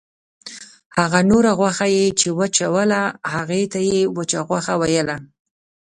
هغه نوره غوښه یې چې وچوله هغې ته یې وچه غوښه ویله.